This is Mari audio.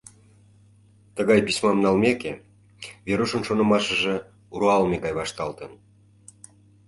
Тыгай письмам налмеке, Верушын шонымашыже руалме гай вашталтын.